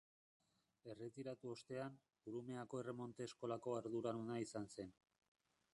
Erretiratu ostean, Urumeako erremonte eskolako arduraduna izan zen.